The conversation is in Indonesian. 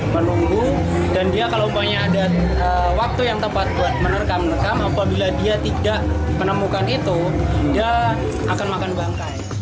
menunggu dan dia kalau umpamanya ada waktu yang tepat buat menerkam merekam apabila dia tidak menemukan itu dia akan makan bangkai